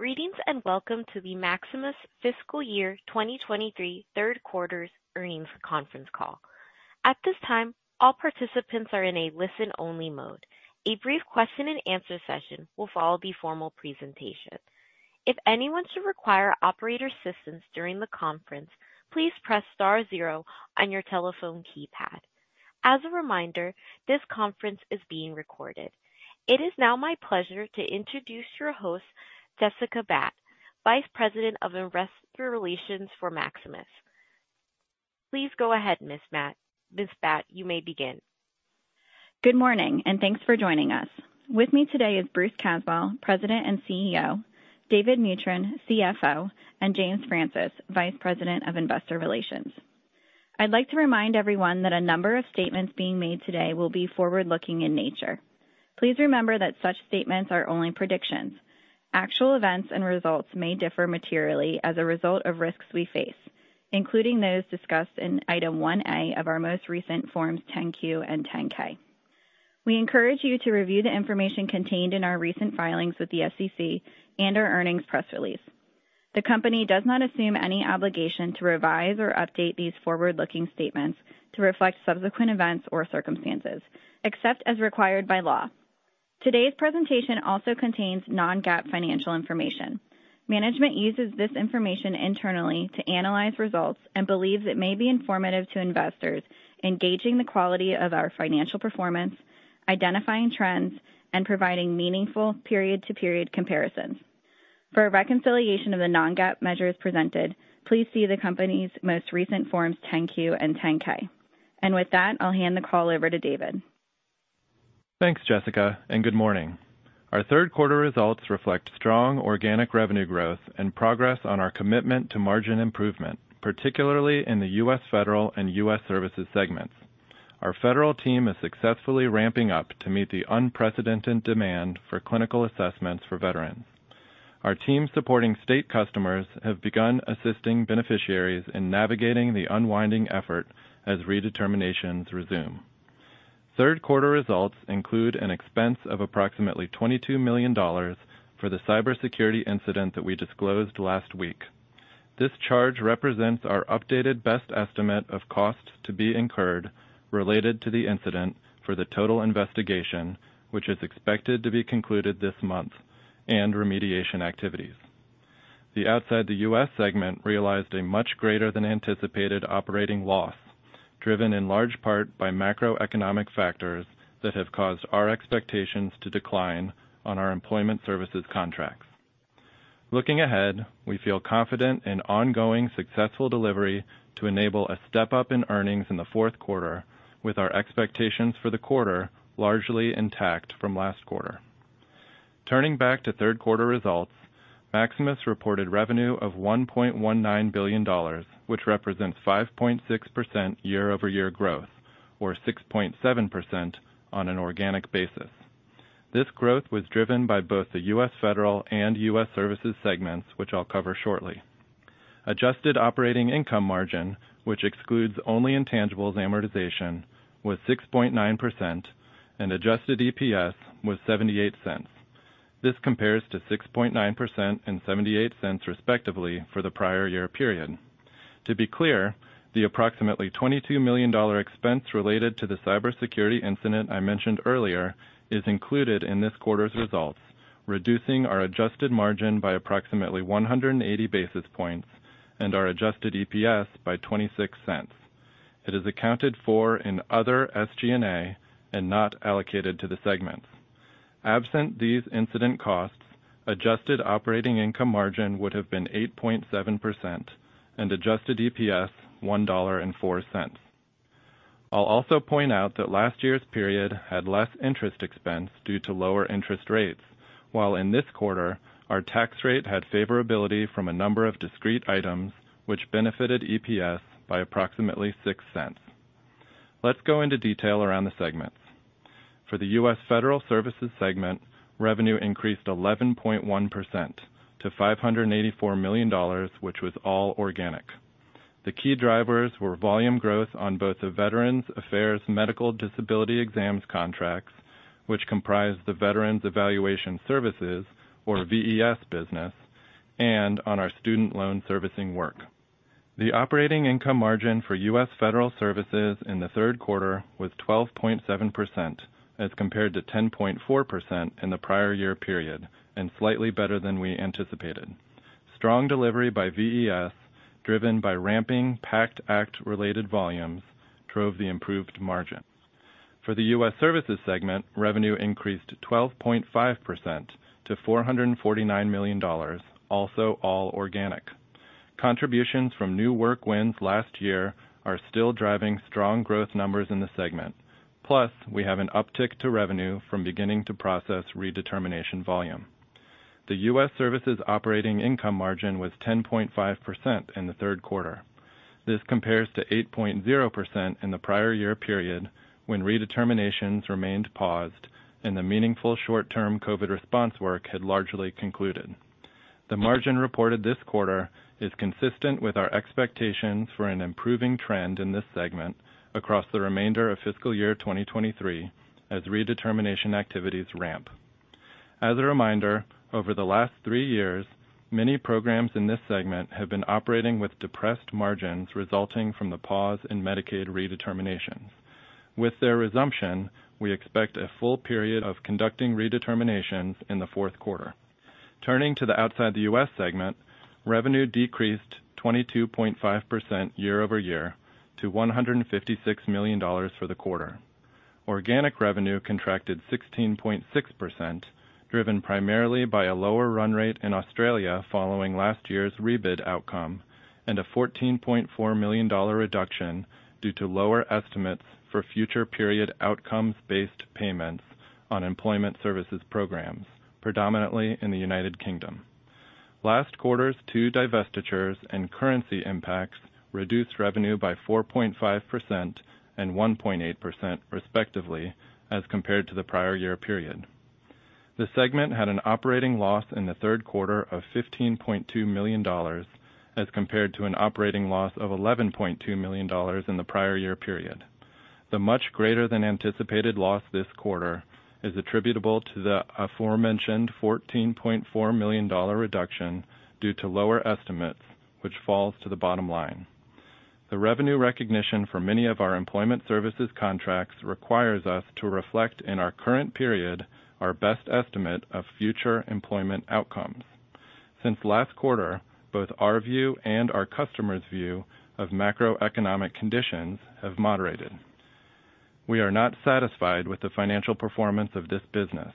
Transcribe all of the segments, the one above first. Greetings, and welcome to the Maximus Fiscal Year 2023 Third Quarter Earnings Conference Call. At this time, all participants are in a listen-only mode. A brief question-and-answer session will follow the formal presentation. If anyone should require operator assistance during the conference, please press star zero on your telephone keypad. As a reminder, this conference is being recorded. It is now my pleasure to introduce your host, Jessica Batt, Vice President of Investor Relations for Maximus. Please go ahead, Ms. Batt. Ms. Batt, you may begin. Good morning, and thanks for joining us. With me today is Bruce Caswell, President and CEO, David Mutryn, CFO, and James Francis, Vice President of Investor Relations. I'd like to remind everyone that a number of statements being made today will be forward-looking in nature. Please remember that such statements are only predictions. Actual events and results may differ materially as a result of risks we face, including those discussed in Item 1A of our most recent Form 10-Q and Form 10-K. We encourage you to review the information contained in our recent filings with the SEC and our earnings press release. The company does not assume any obligation to revise or update these forward-looking statements to reflect subsequent events or circumstances, except as required by law. Today's presentation also contains non-GAAP financial information. Management uses this information internally to analyze results and believes it may be informative to investors in gauging the quality of our financial performance, identifying trends, and providing meaningful period-to-period comparisons. For a reconciliation of the non-GAAP measures presented, please see the company's most recent Forms Form 10-Q and Form 10-K. With that, I'll hand the call over to David. Thanks, Jessica. Good morning. Our third quarter results reflect strong organic revenue growth and progress on our commitment to margin improvement, particularly in the U.S. Federal and U.S. Services segments. Our federal team is successfully ramping up to meet the unprecedented demand for clinical assessments for veterans. Our team supporting state customers have begun assisting beneficiaries in navigating the unwinding effort as redeterminations resume. Third quarter results include an expense of approximately $22 million for the cybersecurity incident that we disclosed last week. This charge represents our updated best estimate of costs to be incurred related to the incident for the total investigation, which is expected to be concluded this month, and remediation activities. The Outside the U.S. segment realized a much greater than anticipated operating loss, driven in large part by macroeconomic factors that have caused our expectations to decline on our employment services contracts. Looking ahead, we feel confident in ongoing successful delivery to enable a step-up in earnings in the fourth quarter, with our expectations for the quarter largely intact from last quarter. Turning back to third quarter results, Maximus reported revenue of $1.19 billion, which represents 5.6% year-over-year growth, or 6.7% on an organic basis. This growth was driven by both the U.S. Federal and U.S. Services segments, which I'll cover shortly. Adjusted operating income margin, which excludes only intangibles amortization, was 6.9% and adjusted EPS was $0.78. This compares to 6.9% and $0.78, respectively, for the prior year period. To be clear, the approximately $22 million expense related to the cybersecurity incident I mentioned earlier is included in this quarter's results, reducing our adjusted margin by approximately 180 basis points and our adjusted EPS by $0.26. It is accounted for in other SG&A and not allocated to the segments. Absent these incident costs, adjusted operating income margin would have been 8.7% and adjusted EPS $1.04. I'll also point out that last year's period had less interest expense due to lower interest rates, while in this quarter, our tax rate had favorability from a number of discrete items, which benefited EPS by approximately $0.06. Let's go into detail around the segments. For the U.S. Federal Services segment, revenue increased 11.1% to $584 million, which was all organic. The key drivers were volume growth on both the Veterans Affairs Medical Disability Exams contracts, which comprise the Veterans Evaluation Services, or VES business, and on our student loan servicing work. The operating income margin for U.S. Federal Services in the third quarter was 12.7%, as compared to 10.4% in the prior year period, and slightly better than we anticipated. Strong delivery by VES, driven by ramping PACT Act-related volumes, drove the improved margin. For the U.S. Services segment, revenue increased 12.5% to $449 million, also all organic. Contributions from new work wins last year are still driving strong growth numbers in the segment. We have an uptick to revenue from beginning to process redetermination volume. The U.S. Services operating income margin was 10.5% in the third quarter. This compares to 8.0% in the prior year period, when redeterminations remained paused and the meaningful short-term COVID response work had largely concluded. The margin reported this quarter is consistent with our expectations for an improving trend in this segment across the remainder of fiscal year 2023 as redetermination activities ramp. As a reminder, over the last three years, many programs in this segment have been operating with depressed margins resulting from the pause in Medicaid redeterminations. With their resumption, we expect a full period of conducting redeterminations in the fourth quarter. Turning to the Outside the U.S. segment, revenue decreased 22.5% year-over-year to $156 million for the quarter. Organic revenue contracted 16.6%, driven primarily by a lower run rate in Australia following last year's rebid outcome, and a $14.4 million reduction due to lower estimates for future period outcomes-based payments on employment services programs, predominantly in the United Kingdom. Last quarter's two divestitures and currency impacts reduced revenue by 4.5% and 1.8%, respectively, as compared to the prior year period. The segment had an operating loss in the third quarter of $15.2 million, as compared to an operating loss of $11.2 million in the prior year period. The much greater than anticipated loss this quarter is attributable to the aforementioned $14.4 million reduction due to lower estimates, which falls to the bottom line. The revenue recognition for many of our employment services contracts requires us to reflect in our current period, our best estimate of future employment outcomes. Since last quarter, both our view and our customers' view of macroeconomic conditions have moderated. We are not satisfied with the financial performance of this business,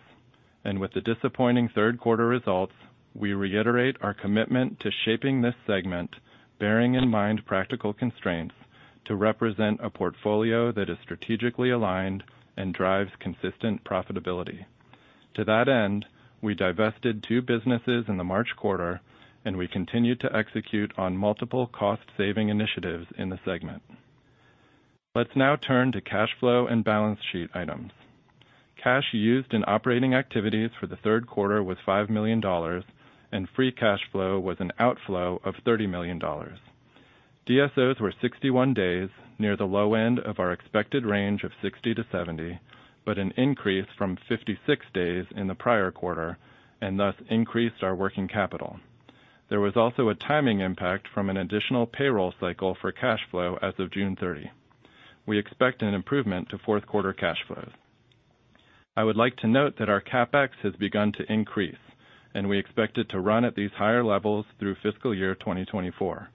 and with the disappointing third quarter results, we reiterate our commitment to shaping this segment, bearing in mind practical constraints, to represent a portfolio that is strategically aligned and drives consistent profitability. To that end, we divested two businesses in the March quarter, and we continued to execute on multiple cost-saving initiatives in the segment. Let's now turn to cash flow and balance sheet items. Cash used in operating activities for the third quarter was $5 million, and free cash flow was an outflow of $30 million. DSOs were 61 days, near the low end of our expected range of 60–70, but an increase from 56 days in the prior quarter and thus increased our working capital. There was also a timing impact from an additional payroll cycle for cash flow as of June 30. We expect an improvement to fourth quarter cash flows. I would like to note that our CapEx has begun to increase, and we expect it to run at these higher levels through fiscal year 2024.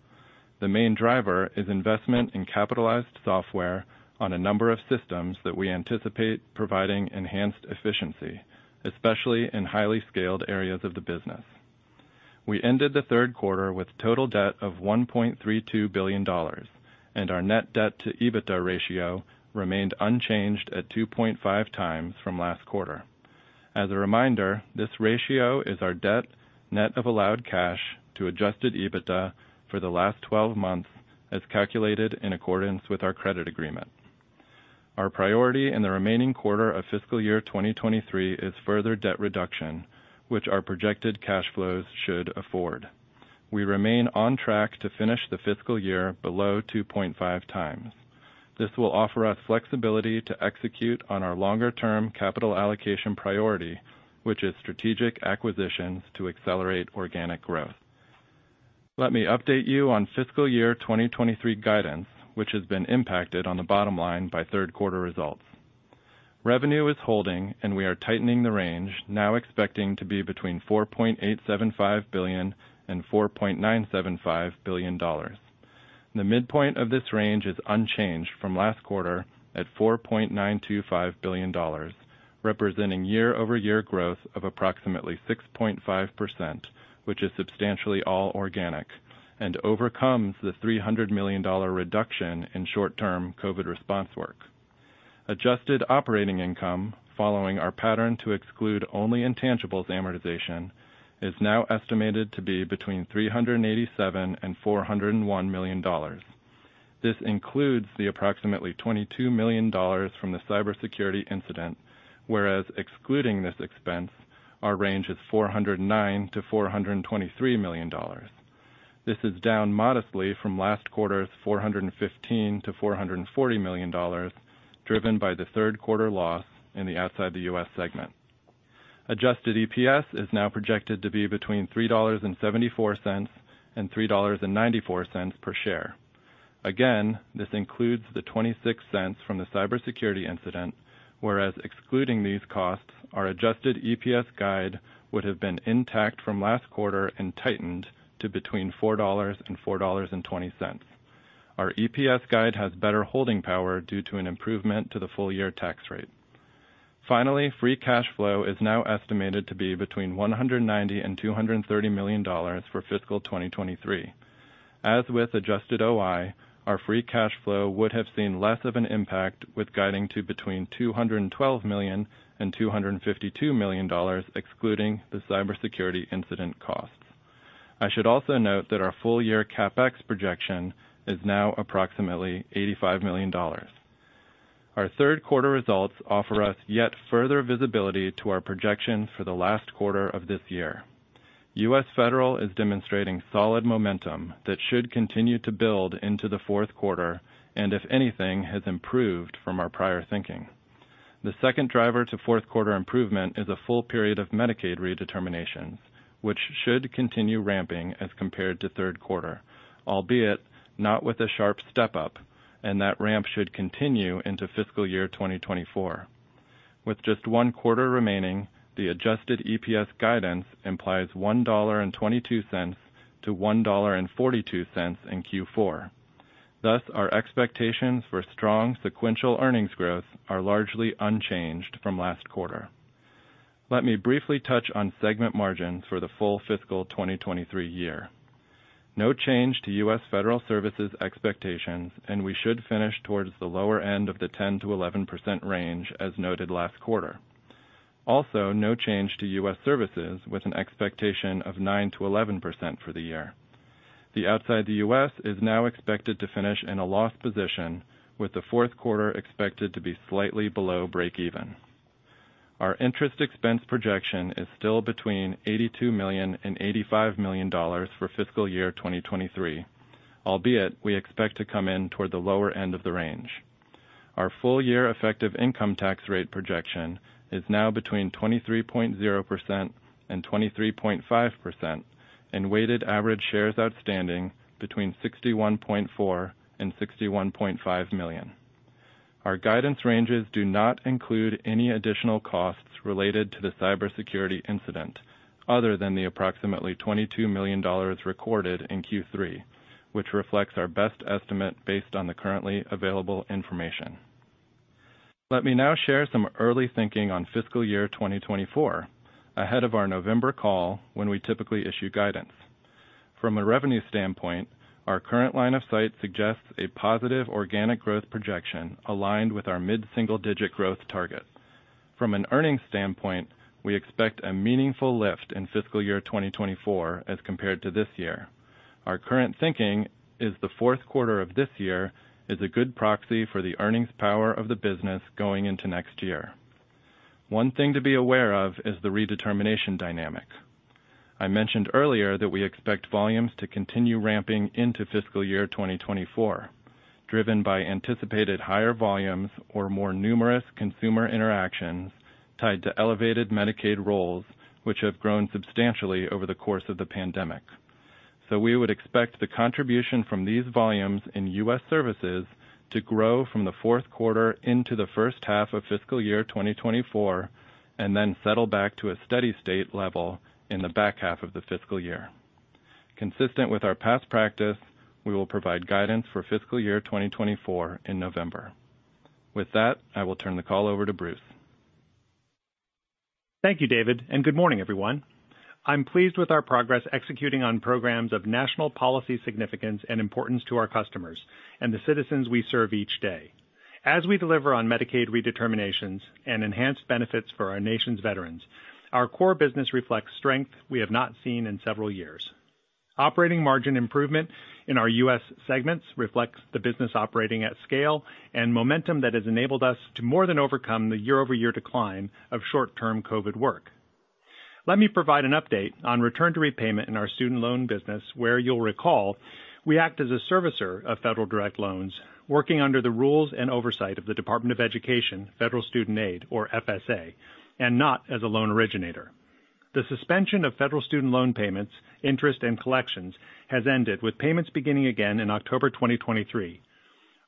The main driver is investment in capitalized software on a number of systems that we anticipate providing enhanced efficiency, especially in highly scaled areas of the business. We ended the third quarter with total debt of $1.32 billion, and our net debt to EBITDA ratio remained unchanged at 2.5x from last quarter. As a reminder, this ratio is our debt, net of allowed cash to adjusted EBITDA for the last 12 months, as calculated in accordance with our credit agreement. Our priority in the remaining quarter of fiscal year 2023 is further debt reduction, which our projected cash flows should afford. We remain on track to finish the fiscal year below 2.5x. This will offer us flexibility to execute on our longer-term capital allocation priority, which is strategic acquisitions to accelerate organic growth. Let me update you on fiscal year 2023 guidance, which has been impacted on the bottom line by third quarter results. Revenue is holding and we are tightening the range, now expecting to be between $4.875 billion and $4.975 billion. The midpoint of this range is unchanged from last quarter at $4.925 billion, representing year-over-year growth of approximately 6.5%, which is substantially all organic and overcomes the $300 million reduction in short-term COVID response work. Adjusted operating income, following our pattern to exclude only intangibles amortization, is now estimated to be between $387 million and $401 million. This includes the approximately $22 million from the cybersecurity incident, whereas excluding this expense, our range is $409 million-$423 million. This is down modestly from last quarter's $415 million-$440 million, driven by the third quarter loss in the Outside the U.S. segment. Adjusted EPS is now projected to be between $3.74 and $3.94 per share. Again, this includes the $0.26 from the cybersecurity incident, whereas excluding these costs, our adjusted EPS guide would have been intact from last quarter and tightened to between $4.00 and $4.20. Our EPS guide has better holding power due to an improvement to the full year tax rate. Finally, free cash flow is now estimated to be between $190 million and $230 million for fiscal 2023. As with adjusted OI, our free cash flow would have seen less of an impact with guiding to between $212 million and $252 million, excluding the cybersecurity incident costs. I should also note that our full-year CapEx projection is now approximately $85 million. Our third quarter results offer us yet further visibility to our projections for the last quarter of this year. U.S. Federal is demonstrating solid momentum that should continue to build into the fourth quarter, and if anything, has improved from our prior thinking. The second driver to fourth quarter improvement is a full period of Medicaid redeterminations, which should continue ramping as compared to third quarter, albeit not with a sharp step up, and that ramp should continue into fiscal year 2024. With just one quarter remaining, the Adjusted EPS guidance implies $1.22-$1.42 in Q4. Thus, our expectations for strong sequential earnings growth are largely unchanged from last quarter. Let me briefly touch on segment margins for the full fiscal 2023 year. No change to U.S. Federal Services expectations, and we should finish towards the lower end of the 10%-11% range as noted last quarter. Also, no change to U.S. Services, with an expectation of 9%-11% for the year. The Outside the U.S. is now expected to finish in a loss position, with the fourth quarter expected to be slightly below breakeven. Our interest expense projection is still between $82 million and $85 million for fiscal year 2023, albeit we expect to come in toward the lower end of the range. Our full year effective income tax rate projection is now between 23.0% and 23.5%, and weighted average shares outstanding between 61.4 million and 61.5 million. Our guidance ranges do not include any additional costs related to the cybersecurity incident, other than the approximately $22 million recorded in Q3, which reflects our best estimate based on the currently available information. Let me now share some early thinking on fiscal year 2024, ahead of our November call, when we typically issue guidance. From a revenue standpoint, our current line of sight suggests a positive organic growth projection aligned with our mid-single digit growth target. From an earnings standpoint, we expect a meaningful lift in fiscal year 2024 as compared to this year. Our current thinking is the fourth quarter of this year is a good proxy for the earnings power of the business going into next year. One thing to be aware of is the redetermination dynamic. I mentioned earlier that we expect volumes to continue ramping into fiscal year 2024, driven by anticipated higher volumes or more numerous consumer interactions tied to elevated Medicaid roles, which have grown substantially over the course of the pandemic. We would expect the contribution from these volumes in U.S. Services to grow from the fourth quarter into the first half of fiscal year 2024, and then settle back to a steady state level in the back half of the fiscal year. Consistent with our past practice, we will provide guidance for fiscal year 2024 in November. With that, I will turn the call over to Bruce. Thank you, David. Good morning, everyone. I'm pleased with our progress executing on programs of national policy significance and importance to our customers and the citizens we serve each day. As we deliver on Medicaid redeterminations and enhanced benefits for our nation's veterans, our core business reflects strength we have not seen in several years. Operating margin improvement in our U.S. segments reflects the business operating at scale and momentum that has enabled us to more than overcome the year-over-year decline of short-term COVID work. Let me provide an update on return to repayment in our student loan business, where you'll recall, we act as a servicer of federal direct loans, working under the rules and oversight of the Department of Education, Federal Student Aid, or FSA, and not as a loan originator. The suspension of federal student loan payments, interest, and collections has ended, with payments beginning again in October 2023.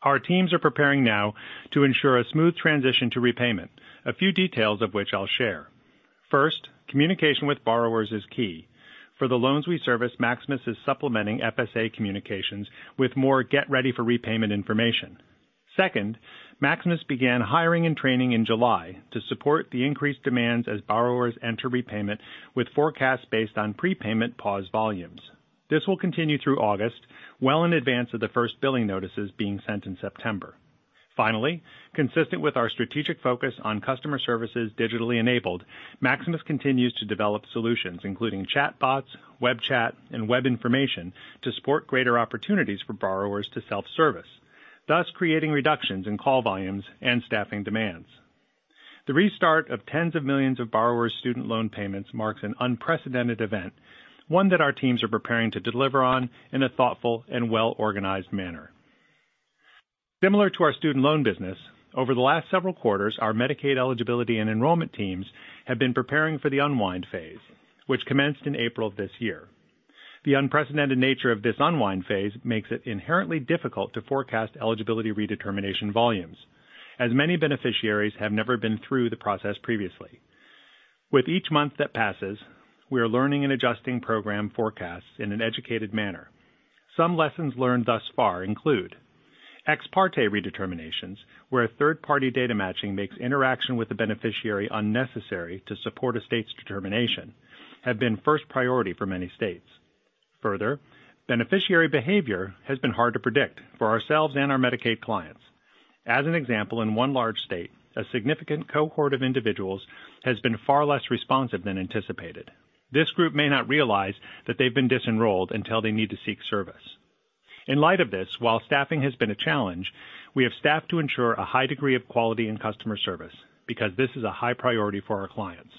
Our teams are preparing now to ensure a smooth transition to repayment, a few details of which I'll share. First, communication with borrowers is key. For the loans we service, Maximus is supplementing FSA communications with more get-ready-for-repayment information. Second, Maximus began hiring and training in July to support the increased demands as borrowers enter repayment with forecasts based on prepayment pause volumes. This will continue through August, well in advance of the first billing notices being sent in September. Finally, consistent with our strategic focus on customer services digitally enabled, Maximus continues to develop solutions, including chatbots, web chat, and web information, to support greater opportunities for borrowers to self-service, thus creating reductions in call volumes and staffing demands. The restart of tens of millions of borrowers' student loan payments marks an unprecedented event, one that our teams are preparing to deliver on in a thoughtful and well-organized manner. Similar to our student loan business, over the last several quarters, our Medicaid eligibility and enrollment teams have been preparing for the unwind phase, which commenced in April of this year. The unprecedented nature of this unwind phase makes it inherently difficult to forecast eligibility redetermination volumes, as many beneficiaries have never been through the process previously. With each month that passes, we are learning and adjusting program forecasts in an educated manner. Some lessons learned thus far include ex parte redeterminations, where a third-party data matching makes interaction with the beneficiary unnecessary to support a state's determination, have been first priority for many states. Beneficiary behavior has been hard to predict for ourselves and our Medicaid clients. As an example, in one large state, a significant cohort of individuals has been far less responsive than anticipated. This group may not realize that they've been disenrolled until they need to seek service. In light of this, while staffing has been a challenge, we have staffed to ensure a high degree of quality and customer service, because this is a high priority for our clients.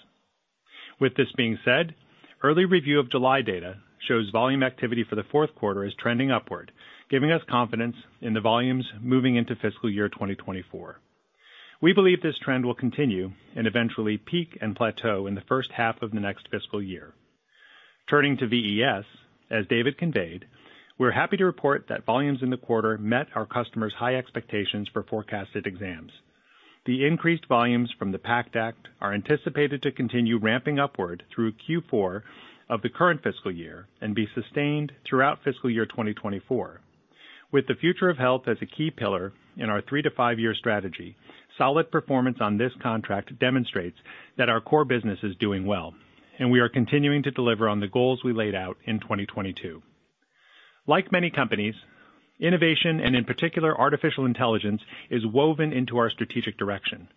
With this being said, early review of July data shows volume activity for the fourth quarter is trending upward, giving us confidence in the volumes moving into fiscal year 2024. We believe this trend will continue and eventually peak and plateau in the first half of the next fiscal year. Turning to VES, as David conveyed, we're happy to report that volumes in the quarter met our customers' high expectations for forecasted exams. The increased volumes from the PACT Act are anticipated to continue ramping upward through Q4 of the current fiscal year and be sustained throughout fiscal year 2024. With the future of health as a key pillar in our three to five-year strategy, solid performance on this contract demonstrates that our core business is doing well, and we are continuing to deliver on the goals we laid out in 2022. Like many companies, innovation, and in particular, artificial intelligence, is woven into our strategic direction.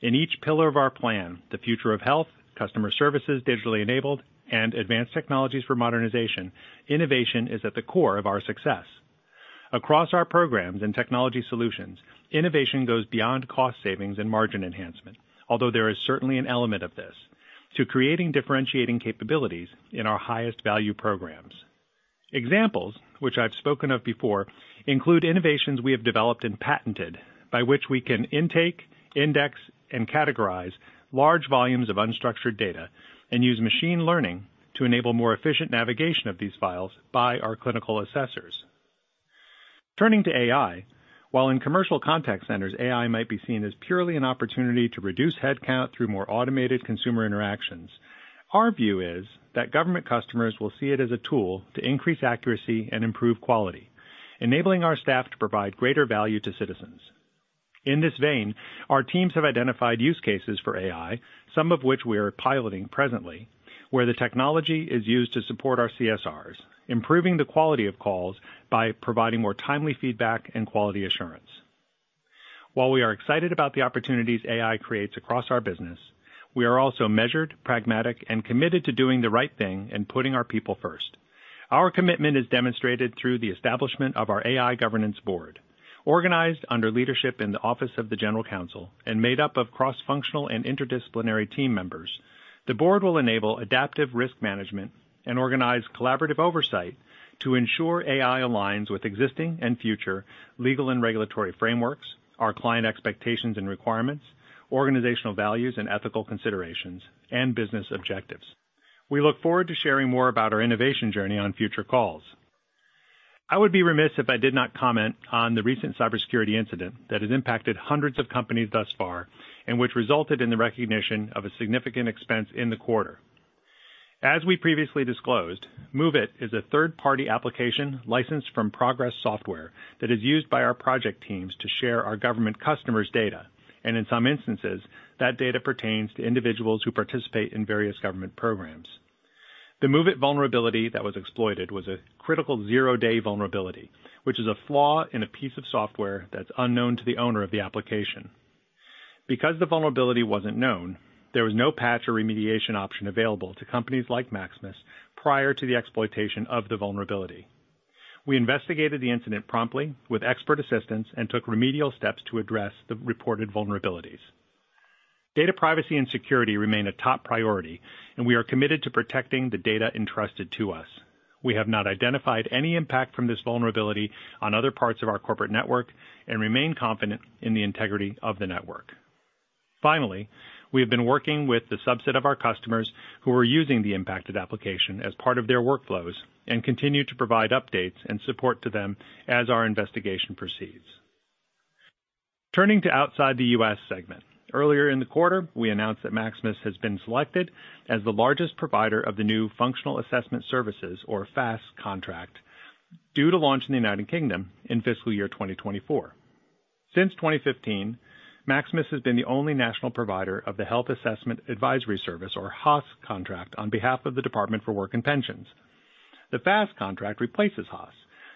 In each pillar of our plan, the future of health, customer services, digitally enabled, and advanced technologies for modernization, innovation is at the core of our success. Across our programs and technology solutions, innovation goes beyond cost savings and margin enhancement, although there is certainly an element of this, to creating differentiating capabilities in our highest value programs. Examples which I've spoken of before, include innovations we have developed and patented, by which we can intake, index, and categorize large volumes of unstructured data and use machine learning to enable more efficient navigation of these files by our clinical assessors. Turning to AI, while in commercial contact centers, AI might be seen as purely an opportunity to reduce headcount through more automated consumer interactions, our view is that government customers will see it as a tool to increase accuracy and improve quality, enabling our staff to provide greater value to citizens. In this vein, our teams have identified use cases for AI, some of which we are piloting presently, where the technology is used to support our CSRs, improving the quality of calls by providing more timely feedback and quality assurance. While we are excited about the opportunities AI creates across our business, we are also measured, pragmatic, and committed to doing the right thing and putting our people first. Our commitment is demonstrated through the establishment of our AI governance board, organized under leadership in the Office of the General Counsel and made up of cross-functional and interdisciplinary team members. The board will enable adaptive risk management and organize collaborative oversight to ensure AI aligns with existing and future legal and regulatory frameworks, our client expectations and requirements, organizational values and ethical considerations, and business objectives. We look forward to sharing more about our innovation journey on future calls. I would be remiss if I did not comment on the recent cybersecurity incident that has impacted hundreds of companies thus far, and which resulted in the recognition of a significant expense in the quarter. As we previously disclosed, MOVEit is a third-party application licensed from Progress Software that is used by our project teams to share our government customers' data, and in some instances, that data pertains to individuals who participate in various government programs. The MOVEit vulnerability that was exploited was a critical zero-day vulnerability, which is a flaw in a piece of software that's unknown to the owner of the application. Because the vulnerability wasn't known, there was no patch or remediation option available to companies like Maximus prior to the exploitation of the vulnerability. We investigated the incident promptly with expert assistance and took remedial steps to address the reported vulnerabilities. Data privacy and security remain a top priority, and we are committed to protecting the data entrusted to us. We have not identified any impact from this vulnerability on other parts of our corporate network and remain confident in the integrity of the network. Finally, we have been working with the subset of our customers who are using the impacted application as part of their workflows and continue to provide updates and support to them as our investigation proceeds. Turning to Outside the U.S. segment. Earlier in the quarter, we announced that Maximus has been selected as the largest provider of the new Functional Assessment Services, or FAS contract, due to launch in the United Kingdom in fiscal year 2024. Since 2015, Maximus has been the only national provider of the Health Assessment Advisory Service, or HAAS contract, on behalf of the Department for Work and Pensions. The FAS contract replaces HAAS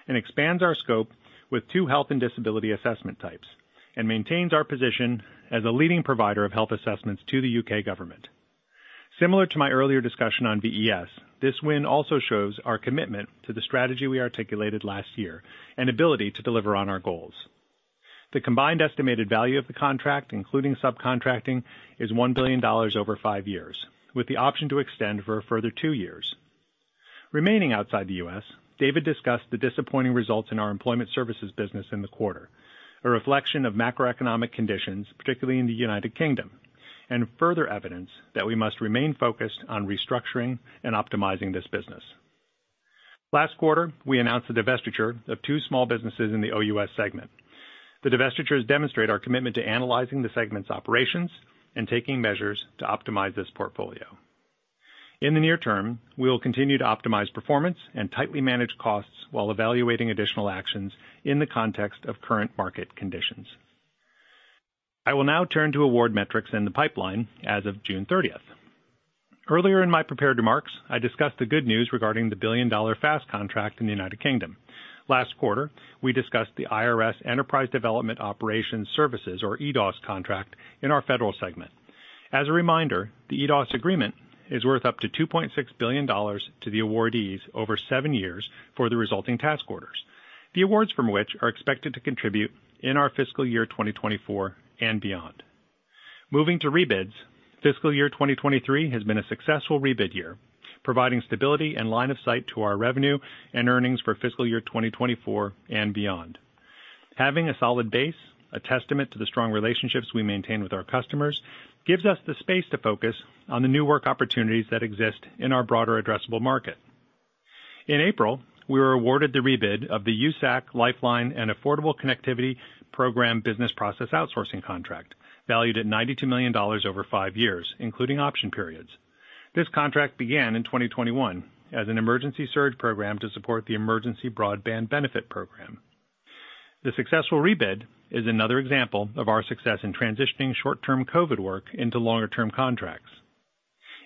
and expands our scope with two health and disability assessment types and maintains our position as a leading provider of health assessments to the U.K. government. Similar to my earlier discussion on VES, this win also shows our commitment to the strategy we articulated last year and ability to deliver on our goals. The combined estimated value of the contract, including subcontracting, is $1 billion over five years, with the option to extend for a further two years. Remaining Outside the U.S., David discussed the disappointing results in our employment services business in the quarter, a reflection of macroeconomic conditions, particularly in the United Kingdom, and further evidence that we must remain focused on restructuring and optimizing this business. Last quarter, we announced the divestiture of two small businesses in the OUS segment. The divestitures demonstrate our commitment to analyzing the segment's operations and taking measures to optimize this portfolio. In the near term, we will continue to optimize performance and tightly manage costs while evaluating additional actions in the context of current market conditions. I will now turn to award metrics in the pipeline as of June 30th. Earlier in my prepared remarks, I discussed the good news regarding the $1 billion FAS contract in the United Kingdom. Last quarter, we discussed the IRS Enterprise Development Operations Services, or EDOS, contract, in our Federal segment. As a reminder, the EDOS agreement is worth up to $2.6 billion to the awardees over seven years for the resulting task orders, the awards from which are expected to contribute in our fiscal year 2024 and beyond. Moving to rebids, fiscal year 2023 has been a successful rebid year, providing stability and line of sight to our revenue and earnings for fiscal year 2024 and beyond. Having a solid base, a testament to the strong relationships we maintain with our customers, gives us the space to focus on the new work opportunities that exist in our broader addressable market. In April, we were awarded the rebid of the USAC Lifeline and Affordable Connectivity Program Business Process Outsourcing contract, valued at $92 million over five years, including option periods. This contract began in 2021 as an emergency surge program to support the Emergency Broadband Benefit Program. The successful rebid is another example of our success in transitioning short-term COVID work into longer-term contracts.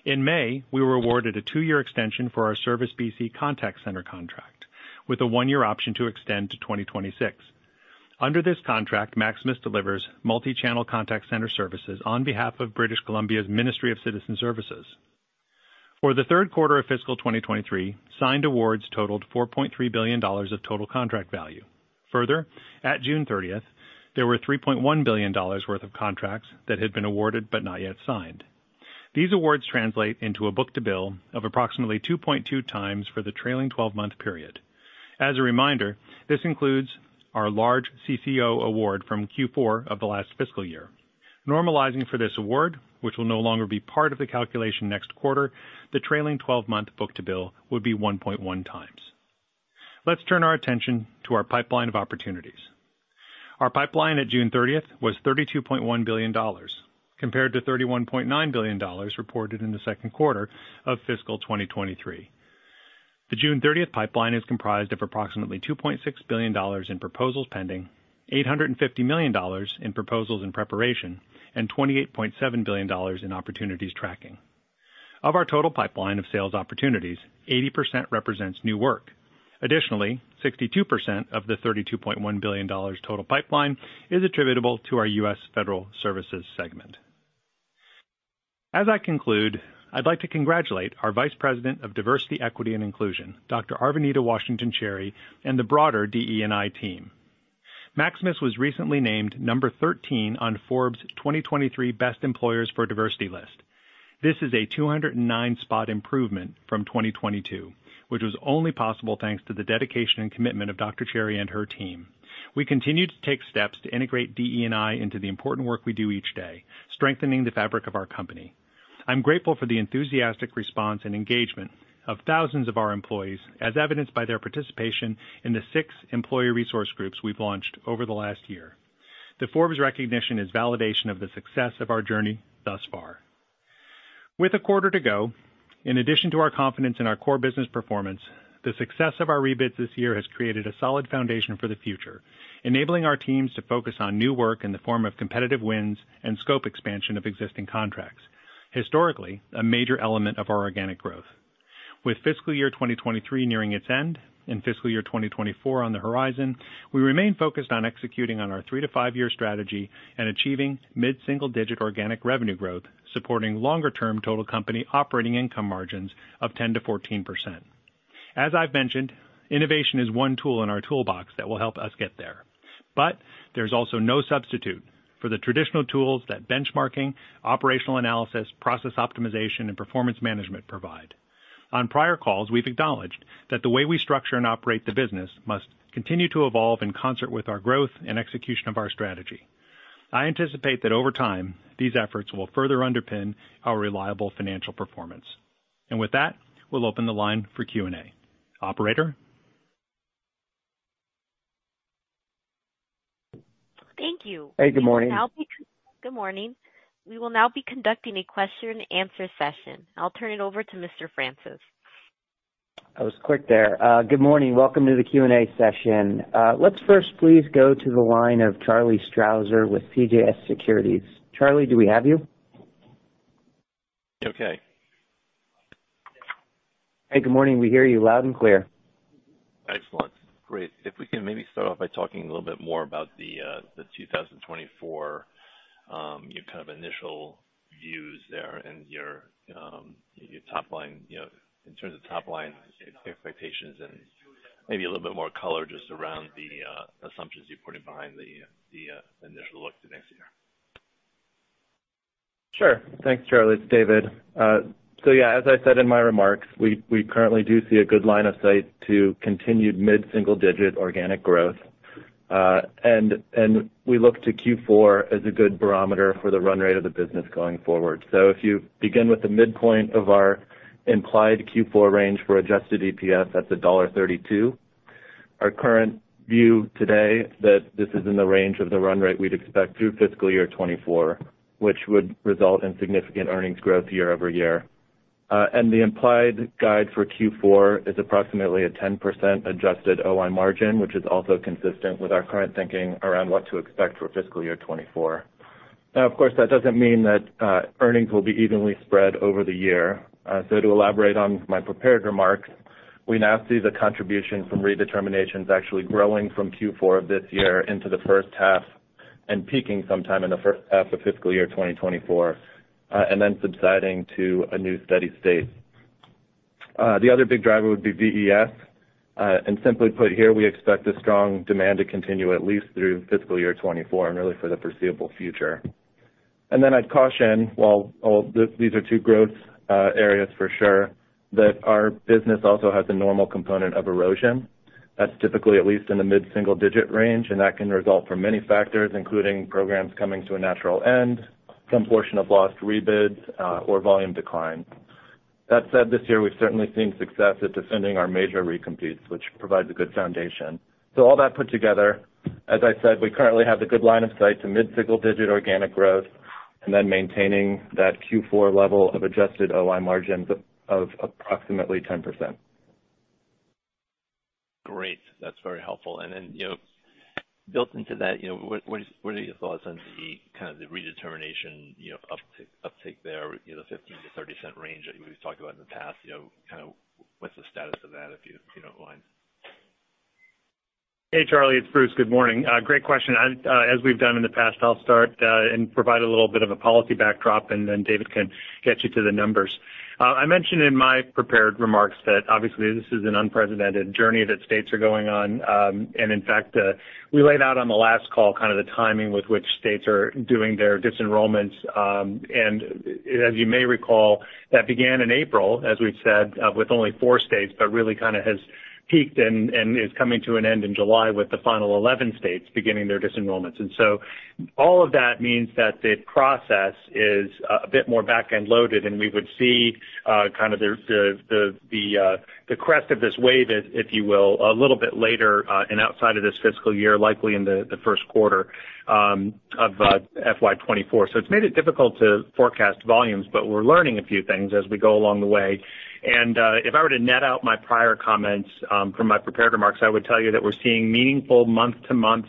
In May, we were awarded a two-year extension for our Service BC Contact Centre contract, with a one-year option to extend to 2026. Under this contract, Maximus delivers multi-channel contact center services on behalf of British Columbia's Ministry of Citizens' Services. For the third quarter of fiscal 2023, signed awards totaled $4.3 billion of total contract value. Further, at June 30th, there were $3.1 billion worth of contracts that had been awarded but not yet signed. These awards translate into a book-to-bill of approximately 2.2x for the trailing 12-month period. As a reminder, this includes our large CCO award from Q4 of the last fiscal year. Normalizing for this award, which will no longer be part of the calculation next quarter, the trailing 12-month book-to-bill would be 1.1x. Let's turn our attention to our pipeline of opportunities. Our pipeline at June 30th was $32.1 billion, compared to $31.9 billion reported in the second quarter of fiscal 2023. The June 30th pipeline is comprised of approximately $2.6 billion in proposals pending, $850 million in proposals in preparation, and $28.7 billion in opportunities tracking. Of our total pipeline of sales opportunities, 80% represents new work. Additionally, 62% of the $32.1 billion total pipeline is attributable to our U.S. Federal Services segment. As I conclude, I'd like to congratulate our Vice President, Diversity, Equity and Inclusion, Dr. Arvenita Washington Cherry, and the broader DE&I team. Maximus was recently named number 13 on Forbes 2023 Best Employers for Diversity list. This is a 209 spot improvement from 2022, which was only possible thanks to the dedication and commitment of Dr. Cherry and her team. We continue to take steps to integrate DE&I into the important work we do each day, strengthening the fabric of our company. I'm grateful for the enthusiastic response and engagement of thousands of our employees, as evidenced by their participation in the six employee resource groups we've launched over the last year. The Forbes recognition is validation of the success of our journey thus far. With a quarter to go, in addition to our confidence in our core business performance, the success of our rebids this year has created a solid foundation for the future, enabling our teams to focus on new work in the form of competitive wins and scope expansion of existing contracts. Historically, a major element of our organic growth. With fiscal year 2023 nearing its end and fiscal year 2024 on the horizon, we remain focused on executing on our three to five year strategy and achieving mid-single-digit organic revenue growth, supporting longer-term total company operating income margins of 10%-14%. As I've mentioned, innovation is one tool in our toolbox that will help us get there, but there's also no substitute for the traditional tools that benchmarking, operational analysis, process optimization, and performance management provide. On prior calls, we've acknowledged that the way we structure and operate the business must continue to evolve in concert with our growth and execution of our strategy. I anticipate that over time, these efforts will further underpin our reliable financial performance. With that, we'll open the line for Q&A. Operator? Thank you. Hey, good morning. Good morning. We will now be conducting a question and answer session. I'll turn it over to Mr. Francis. That was quick there. Good morning. Welcome to the Q&A session. Let's first please go to the line of Charlie Strauzer withCJS Securities. Charlie, do we have you? Okay. Hey, good morning. We hear you loud and clear. Excellent. Great. If we can maybe start off by talking a little bit more about the 2024, your kind of initial views there and your top line, you know, in terms of top line expectations and maybe a little bit more color just around the assumptions you put it behind the initial look to next year. Sure. Thanks, Charlie, it's David. As I said in my remarks, we currently do see a good line of sight to continued mid-single-digit organic growth. We look to Q4 as a good barometer for the run rate of the business going forward. If you begin with the midpoint of our implied Q4 range for adjusted EPS, that's $1.32. Our current view today, that this is in the range of the run rate we'd expect through fiscal year 2024, which would result in significant earnings growth year-over-year. The implied guide for Q4 is approximately a 10% adjusted OI margin, which is also consistent with our current thinking around what to expect for fiscal year 2024. Now, of course, that doesn't mean that earnings will be evenly spread over the year. To elaborate on my prepared remarks, we now see the contribution from redeterminations actually growing from Q4 of this year into the first half and peaking sometime in the first half of fiscal year 2024, and then subsiding to a new steady state. The other big driver would be VES. Simply put here, we expect a strong demand to continue at least through fiscal year 2024 and really for the foreseeable future. Then I'd caution, while these are two growth areas for sure, that our business also has a normal component of erosion. That's typically at least in the mid-single digit range, and that can result from many factors, including programs coming to a natural end, some portion of lost rebid, or volume decline. That said, this year, we've certainly seen success at defending our major recompetes, which provides a good foundation. All that put together, as I said, we currently have a good line of sight to mid-single digit organic growth, and then maintaining that Q4 level of adjusted OI margins of approximately 10%. Great. That's very helpful. Then, you know, built into that, you know, what are your thoughts on the, kind of the redetermination, you know, uptick there, you know, the $0.15-$0.30 range that we've talked about in the past, you know, kind of what's the status of that, if you don't mind? Hey, Charlie, it's Bruce. Good morning. Great question. I—as we've done in the past, I'll start, and provide a little bit of a policy backdrop, and then David can get you to the numbers. I mentioned in my prepared remarks that obviously this is an unprecedented journey that states are going on. In fact, we laid out on the last call kind of the timing with which states are doing their disenrollments. As you may recall, that began in April, as we've said, with only four states, but really kind of has peaked and is coming to an end in July with the final 11 states beginning their disenrollments. All of that means that the process is a bit more back-end loaded, and we would see kind of the crest of this wave, if you will, a little bit later, and outside of this fiscal year, likely in the first quarter of FY 2024. It's made it difficult to forecast volumes, but we're learning a few things as we go along the way. If I were to net out my prior comments from my prepared remarks, I would tell you that we're seeing meaningful month-to-month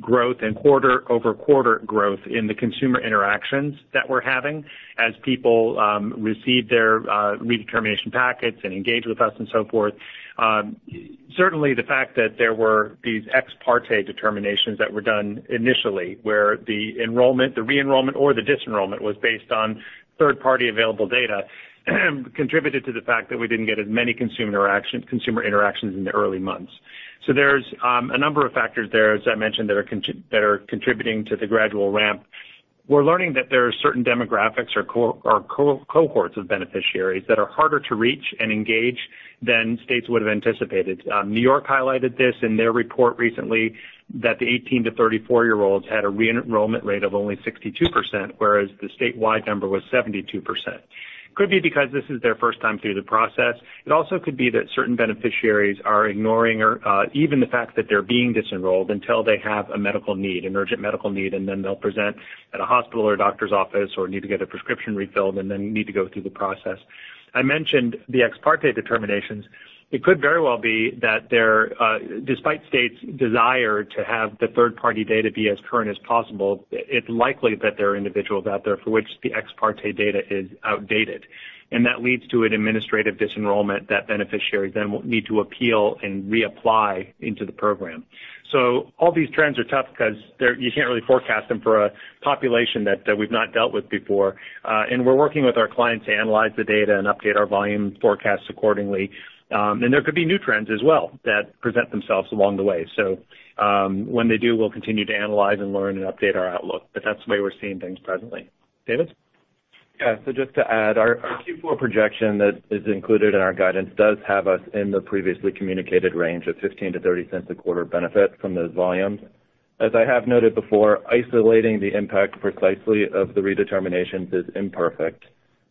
growth and quarter-over-quarter growth in the consumer interactions that we're having as people receive their redetermination packets and engage with us, and so forth. Certainly, the fact that there were these ex parte determinations that were done initially, where the enrollment, the re-enrollment or the dis-enrollment was based on third-party available data, contributed to the fact that we didn't get as many consumer interaction, consumer interactions in the early months. There's a number of factors there, as I mentioned, that are contributing to the gradual ramp. We're learning that there are certain demographics or cohorts of beneficiaries that are harder to reach and engage than states would have anticipated. New York highlighted this in their report recently, that the 18–34 year-olds had a re-enrollment rate of only 62%, whereas the statewide number was 72%. Could be because this is their first time through the process. It also could be that certain beneficiaries are ignoring or even the fact that they're being dis-enrolled until they have a medical need, an urgent medical need, and then they'll present at a hospital or a doctor's office, or need to get a prescription refilled, and then need to go through the process. I mentioned the ex parte determinations. It could very well be that there—despite states' desire to have the third-party data be as current as possible, it's likely that there are individuals out there for which the ex parte data is outdated, and that leads to an administrative dis-enrollment that beneficiaries then will need to appeal and reapply into the program. All these trends are tough because you can't really forecast them for a population that we've not dealt with before. We're working with our clients to analyze the data and update our volume forecasts accordingly. There could be new trends as well, that present themselves along the way. When they do, we'll continue to analyze and learn and update our outlook, but that's the way we're seeing things presently. David? Yeah. Just to add, our Q4 projection that is included in our guidance does have us in the previously communicated range of $0.15-$0.30 a quarter benefit from those volumes. As I have noted before, isolating the impact precisely of the redeterminations is imperfect,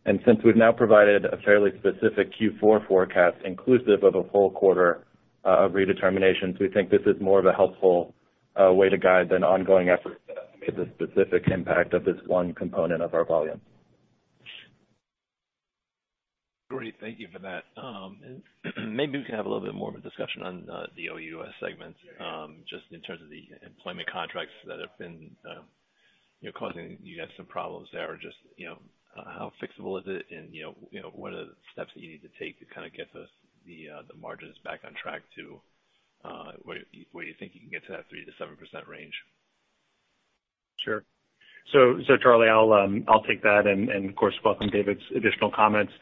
since we've now provided a fairly specific Q4 forecast inclusive of a full quarter of redeterminations, we think this is more of a helpful way to guide an ongoing effort to estimate the specific impact of this one component of our volume. Great. Thank you for that. Maybe we can have a little bit more of a discussion on the OUS segment, just in terms of the employment contracts that have been, you know, causing you guys some problems there, or just, you know, how fixable is it? What are the steps that you need to take to kind of get this—the margins back on track to, where, where you think you can get to that 3%-7% range? Sure. Charlie, I'll take that and of course, welcome David's additional comments.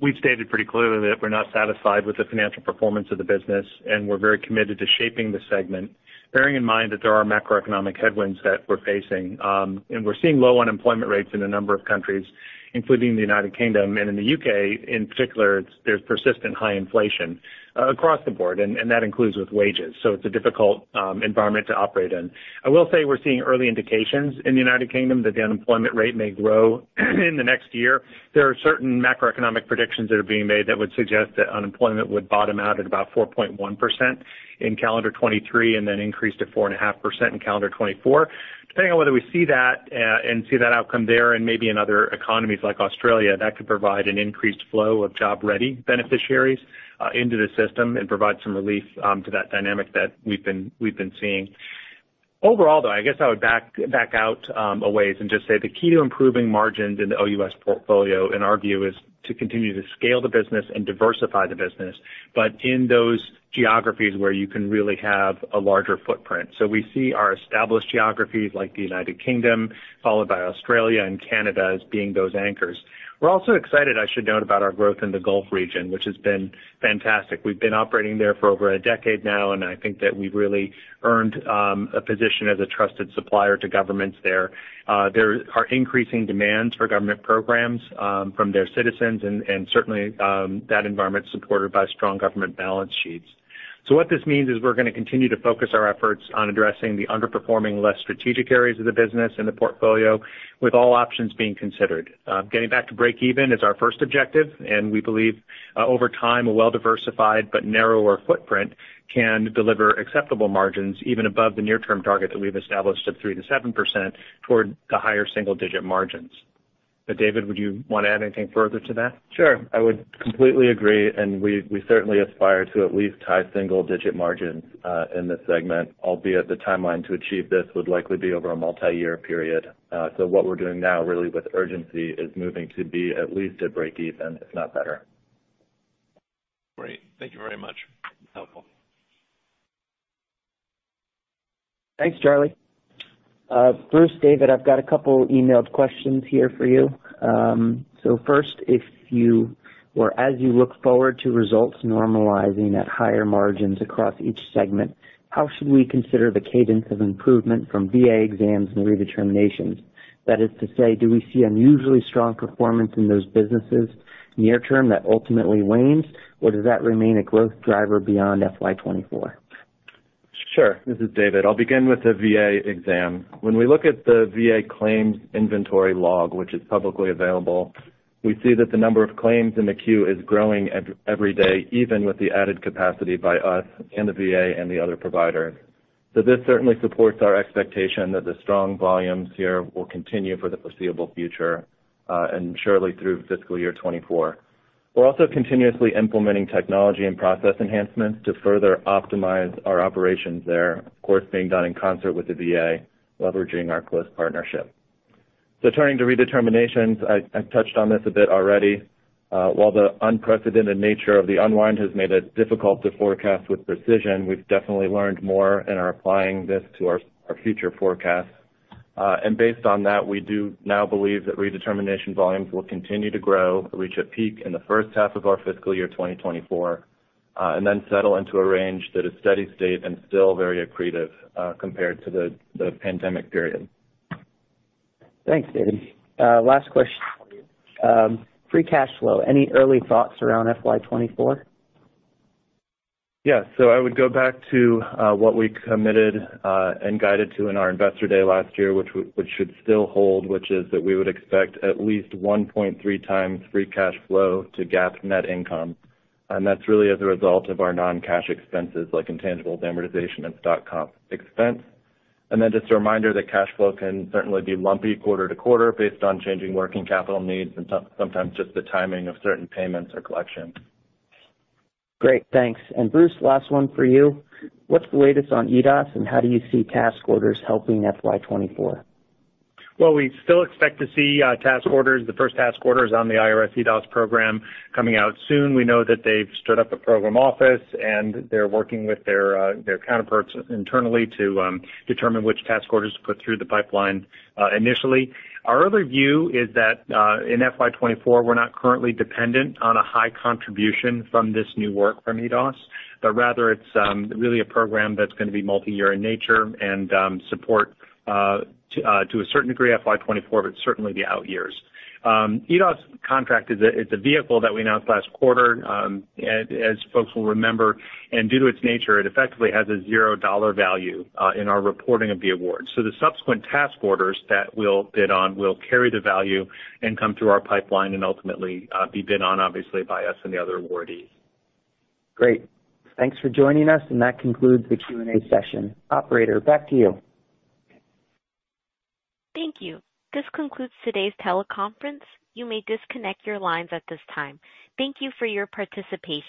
We've stated pretty clearly that we're not satisfied with the financial performance of the business, and we're very committed to shaping the segment, bearing in mind that there are macroeconomic headwinds that we're facing. We're seeing low unemployment rates in a number of countries, including the United Kingdom. In the U.K., in particular, there's persistent high inflation across the board, and that includes with wages. It's a difficult environment to operate in. I will say we're seeing early indications in the United Kingdom that the unemployment rate may grow in the next year. There are certain macroeconomic predictions that are being made that would suggest that unemployment would bottom out at about 4.1% in calendar 2023, and then increase to 4.5% in calendar 2024. Depending on whether we see that, and see that outcome there and maybe in other economies like Australia, that could provide an increased flow of job-ready beneficiaries, into the system and provide some relief to that dynamic that we've been, we've been seeing. Overall, though, I guess I would back out a ways and just say the key to improving margins in the OUS portfolio, in our view, is to continue to scale the business and diversify the business, but in those geographies where you can really have a larger footprint. We see our established geographies like the United Kingdom, followed by Australia and Canada, as being those anchors. We're also excited, I should note, about our growth in the Gulf region, which has been fantastic. We've been operating there for over a decade now, and I think that we've really earned a position as a trusted supplier to governments there. There are increasing demands for government programs from their citizens, and certainly, that environment's supported by strong government balance sheets. What this means is we're gonna continue to focus our efforts on addressing the underperforming, less strategic areas of the business in the portfolio, with all options being considered. Getting back to breakeven is our first objective, and we believe, over time, a well-diversified but narrower footprint can deliver acceptable margins, even above the near-term target that we've established of 3%-7% toward the higher single-digit margins. David, would you want to add anything further to that? Sure. I would completely agree, and we certainly aspire to at least high single digit margins in this segment, albeit the timeline to achieve this would likely be over a multi-year period. What we're doing now, really with urgency, is moving to be at least at breakeven, if not better. Great. Thank you very much. Helpful. Thanks, Charlie. First, David, I've got a couple emailed questions here for you. First, if you or as you look forward to results normalizing at higher margins across each segment, how should we consider the cadence of improvement from VA exams and redeterminations? That is to say, do we see unusually strong performance in those businesses near term that ultimately wanes, or does that remain a growth driver beyond FY 2024? Sure. This is David. I'll begin with the VA exam. When we look at the VA claims inventory log, which is publicly available, we see that the number of claims in the queue is growing every day, even with the added capacity by us and the VA and the other providers. This certainly supports our expectation that the strong volumes here will continue for the foreseeable future, and surely through fiscal year 2024. We're also continuously implementing technology and process enhancements to further optimize our operations there, of course, being done in concert with the VA, leveraging our close partnership. Turning to redeterminations, I've touched on this a bit already. While the unprecedented nature of the unwind has made it difficult to forecast with precision, we've definitely learned more and are applying this to our, our future forecasts. Based on that, we do now believe that redetermination volumes will continue to grow, reach a peak in the first half of our fiscal year 2024, and then settle into a range that is steady state and still very accretive, compared to the pandemic period. Thanks, David. Last question for you. Free cash flow, any early thoughts around FY 2024? Yeah, I would go back to what we committed and guided to in our Investor Day last year, which which should still hold, which is that we would expect at least 1.3x free cash flow to GAAP net income. That's really as a result of our non-cash expenses, like intangible amortization and dot-com expense. Then just a reminder that cash flow can certainly be lumpy quarter-to-quarter based on changing working capital needs and sometimes just the timing of certain payments or collections. Great, thanks. Bruce, last one for you. What's the latest on EDOS, and how do you see task orders helping FY 2024? We still expect to see task orders, the first task orders on the IRS EDOS program coming out soon. We know that they've stood up a program office, they're working with their counterparts internally to determine which task orders to put through the pipeline initially. Our other view is that in FY 2024, we're not currently dependent on a high contribution from this new work from EDOS, rather it's really a program that's gonna be multi-year in nature and support to a certain degree, FY 2024, but certainly the out years. EDOS contract is a—it's a vehicle that we announced last quarter, as folks will remember, due to its nature, it effectively has a zero dollar value in our reporting of the award. The subsequent task orders that we'll bid on will carry the value and come through our pipeline and ultimately, be bid on, obviously, by us and the other awardees. Great. Thanks for joining us. That concludes the Q&A session. Operator, back to you. Thank you. This concludes today's teleconference. You may disconnect your lines at this time. Thank you for your participation.